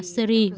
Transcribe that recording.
syria và mỹ